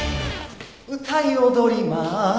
歌い踊ります。